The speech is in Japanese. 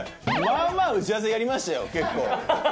まあまあ打ち合わせやりましたよ結構。